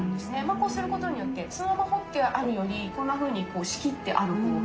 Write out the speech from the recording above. こうする事によってそのまま掘ってあるよりこんなふうにこう仕切ってある方が。